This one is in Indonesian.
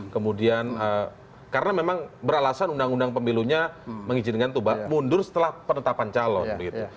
kemudian karena memang beralasan undang undang pemilunya mengizinkan itu mundur setelah penetapan calon